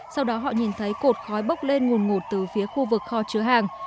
sau đó họ nhìn thấy cột khói bốc lên nguồn ngột từ phía khu vực kho chứa hàng